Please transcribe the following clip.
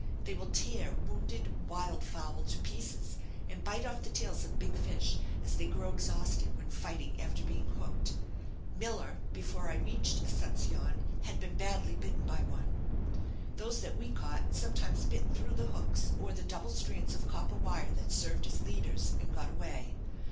They will tear wounded wild fowl to pieces; and bite off the tails of big fish as they grow exhausted when fighting after being hooked. Miller, before I reached Asuncion, had been badly bitten by one. Those that we caught sometimes bit through the hooks, or the double strands of copper wire that served as leaders, and got away.